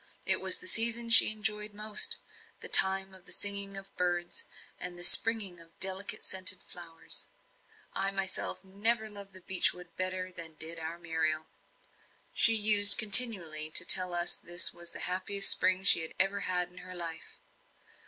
It was the season she enjoyed most the time of the singing of birds, and the springing of delicate scented flowers. I myself never loved the beech wood better than did our Muriel. She used continually to tell us this was the happiest spring she had ever had in her life.